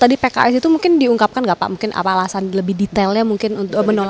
tadi pks itu mungkin diungkapkan nggak pak mungkin apa alasan lebih detailnya mungkin untuk menolak